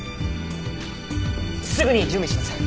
すぐに準備します。